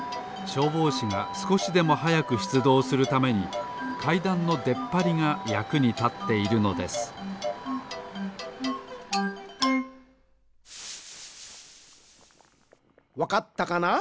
しょうぼうしがすこしでもはやくしゅつどうするためにかいだんのでっぱりがやくにたっているのですわかったかな？